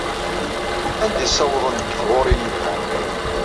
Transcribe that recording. Anda sawḍen deg taɣuṛi yelhan?